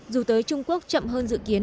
dù tới trung quốc chậm hơn dự kiến